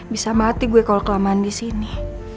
bisa mati gue kalo kelamaan disini